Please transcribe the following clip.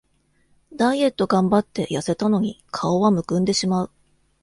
ダイエットがんばってやせたのに顔はむくんでしまう